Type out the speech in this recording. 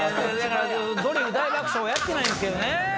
『ドリフ大爆笑』やってないんすけどね。